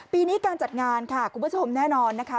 ปีนี้การจัดงานค่ะคุณผู้ชมแน่นอนนะคะ